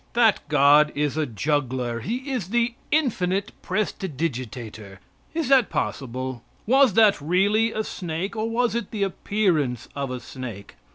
That God is a juggler he is the infinite prestidigitator. Is that possible? Was that really a snake, or was it the appearance of a snake?